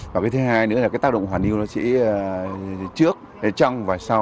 và thứ hai nữa là tác động hoàn hưu nó sẽ trước trăng và sau